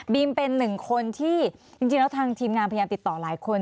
เป็นหนึ่งคนที่จริงแล้วทางทีมงานพยายามติดต่อหลายคน